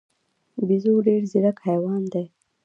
بیزو ډېر ځیرک حیوان دی.